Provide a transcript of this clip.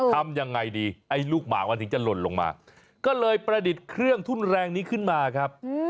ทำยังไงดีไอ้ลูกหมามันถึงจะหล่นลงมาก็เลยประดิษฐ์เครื่องทุ่นแรงนี้ขึ้นมาครับ